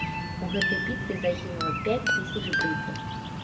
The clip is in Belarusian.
У гэтай бітве загінула пяць тысяч брытаў.